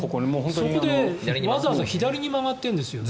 そこでわざわざ左に曲がってるんですよね。